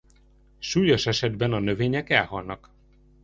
Súlyos esetben a növények elhalnak.